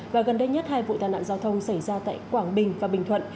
và gần đây nhất hai vụ tai nạn giao thông xảy ra tại quảng bình và bình thuận